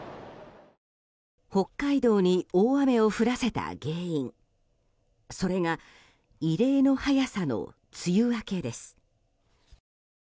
北海道に大雨を降らせた原因それが異例の早さの梅雨明けです。